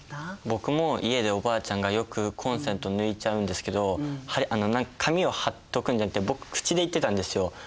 僕も家でおばあちゃんがよくコンセント抜いちゃうんですけど紙を貼っとくんじゃなくて僕口で言ってたんですよ。